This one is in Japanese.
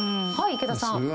はい池田さん。